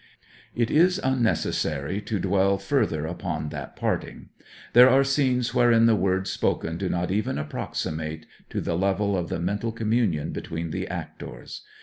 It is unnecessary to dwell further upon that parting. There are scenes wherein the words spoken do not even approximate to the level of the mental communion between the actors.